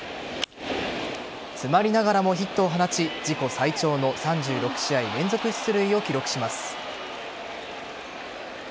詰まりながらもヒットを放ち自己最長の３６試合連続出塁を記録します。